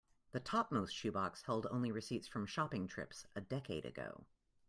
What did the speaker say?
The topmost shoe box held only receipts from shopping trips a decade ago.